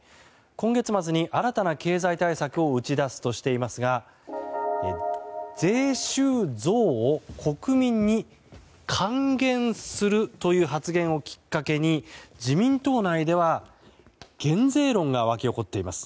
今月末に新たな経済対策を打ち出すとしていますが税収増を国民に還元するという発言をきっかけに自民党内では減税論が沸き起こっています。